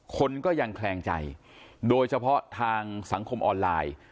คนก็ยังแคลงใจโดยเฉพาะทางสังคมออนไลน์